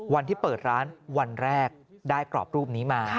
วันที่เปิดร้านวันแรกได้กรอบรูปนี้มา